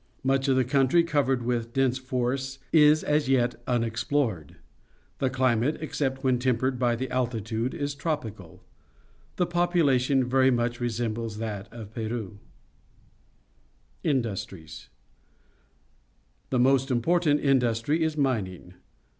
Much of the country, covered with dense forests, is as yet unex plored. The cUmate, except when tempered by the altitude, is tropical. The population very much resembles that of Peru. 158 PUBLIC SCHOOL GEOGR.\PHY Industries. — The most important indus try is mining.